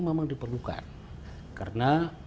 memang diperlukan karena